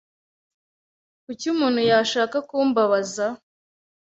Kuki umuntu yashaka kumbabaza?